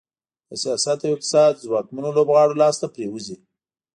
د سیاست او اقتصاد ځواکمنو لوبغاړو لاس ته پرېوځي.